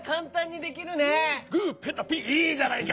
いいじゃないか。